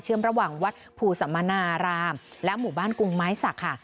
เชื่อมระหว่างวัดภูสมณารามและหมู่บ้านกรุงไม้ศักดิ์